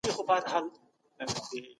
خوب د انسان روغتیا ښيي.